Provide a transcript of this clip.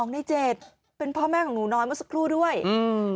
ในเจ็ดเป็นพ่อแม่ของหนูน้อยเมื่อสักครู่ด้วยอืม